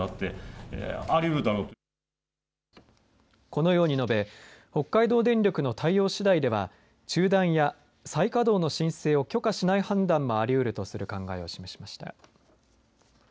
このように述べ北海道電力の対応しだいでは中断や再稼働の申請を許可しない判断もありうるとする考えを示しました。